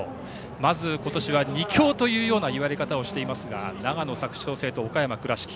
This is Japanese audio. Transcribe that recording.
まず今年は２強というような言われ方をしていますが長野・佐久長聖と岡山・倉敷。